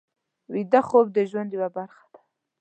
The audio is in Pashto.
ویده خوب د ژوند یوه برخه ده